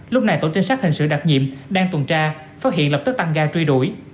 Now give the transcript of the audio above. lúc này tổ trinh sát hình sự đặc nhiệm đang tuần tra phát hiện lập tức tăng ga truy đuổi